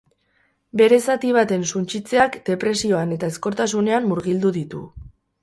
Bere zati baten suntsitzeak depresioan eta ezkortasunean murgildu ditu.